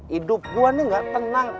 hidup gue nih gak tenang